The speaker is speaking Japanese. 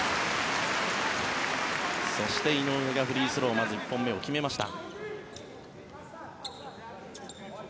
そして、井上がフリースローまず１本目を決めました。